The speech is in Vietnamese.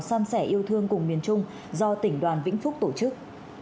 xăm xẻ yêu thương cùng miền trung do tỉnh đoàn vĩnh phúc tổ chức